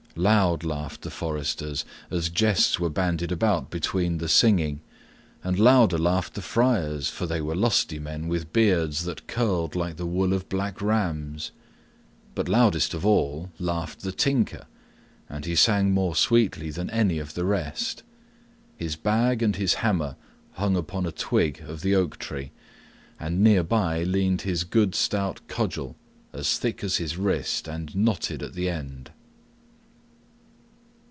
Loud laughed the foresters, as jests were bandied about between the singing, and louder laughed the friars, for they were lusty men with beards that curled like the wool of black rams; but loudest of all laughed the Tinker, and he sang more sweetly than any of the rest. His bag and his hammer hung upon a twig of the oak tree, and near by leaned his good stout cudgel, as thick as his wrist and knotted at the end.